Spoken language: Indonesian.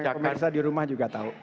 supaya yang pemerintah di rumah juga tahu